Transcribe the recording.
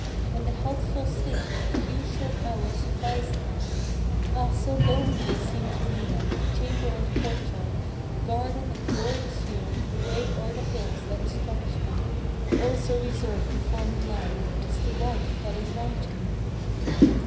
When the healthful sleep of a few short hours sufficed me, Ah, so lonely they seem to me then, the chamber and courtyard, Garden and glorious field, away o'er the hill that is stretching; All so desert before me lie: 'tis the wife that is wanting."